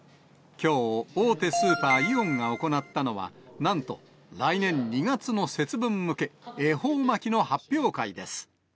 きょう、大手スーパー、イオンが行ったのは、なんと、来年２月の節分向け、恵方巻の発表会です。